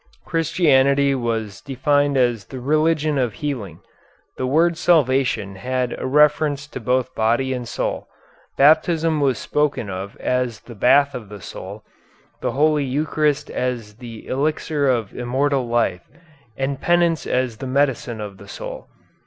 Christianity was defined as the religion of healing. The word salvation had a reference to both body and soul. Baptism was spoken of as the bath of the soul, the holy Eucharist as the elixir of immortal life, and penance as the medicine of the soul.